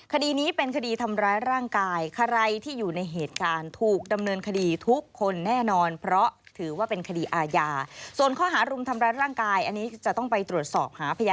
คดีนี้เป็นคดีทำร้ายร่างกาย